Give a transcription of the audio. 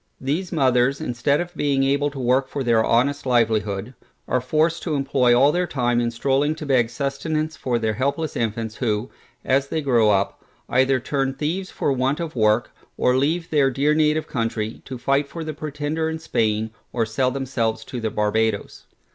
These mothers, instead of being able to work for their honest livelihood, are forced to employ all their time in stroling to beg sustenance for their helpless infants who, as they grow up, either turn thieves for want of work, or leave their dear native country, to fight for the Pretender in Spain, or sell themselves to the Barbadoes.